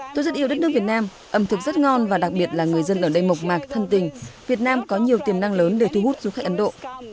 tôi rất yêu đất nước việt nam ẩm thực rất ngon và đặc biệt là người dân ở đây mộc mạc thân tình việt nam có nhiều tiềm năng lớn để thu hút du khách ấn độ